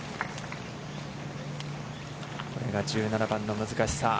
これが１７番の難しさ。